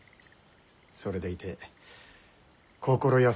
それでいて心優しくてな。